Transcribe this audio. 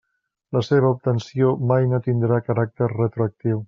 La seva obtenció mai no tindrà caràcter retroactiu.